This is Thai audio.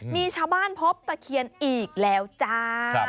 มีชาวบ้านพบตะเคียนอีกแล้วจ้า